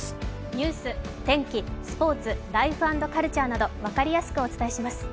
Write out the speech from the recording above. ニュース、天気、スポーツ、ライフ＆カルチャーなど分かりやすくお伝えします。